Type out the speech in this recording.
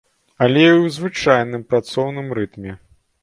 Але і ў звычайным працоўным рытме.